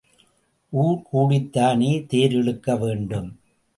ஊர் கூடித்தானே தேர் இழுக்க வேண்டும்?